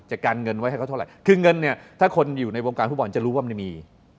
การเงินไว้ให้เขาเท่าไหร่คือเงินเนี่ยถ้าคนอยู่ในวงการฟุตบอลจะรู้ว่าไม่มี